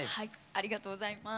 ありがとうございます。